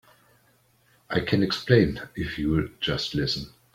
I can explain if you'll just listen.